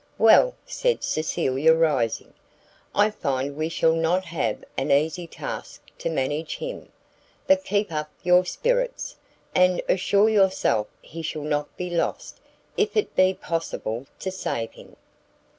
"Well," said Cecilia, rising, "I find we shall not have an easy task to manage him; but keep up your spirits, and assure yourself he shall not be lost, if it be possible to save him."